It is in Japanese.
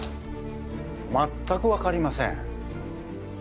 全くわかりません。